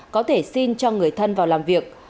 có thể xin cho người thân vào làm việc